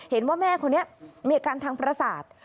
เห็นว่าแม่คนนี้มีอาการทางประสาท